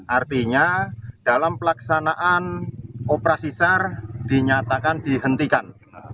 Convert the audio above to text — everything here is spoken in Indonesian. artinya dalam pelaksanaan operasi sar dinyatakan dihentikan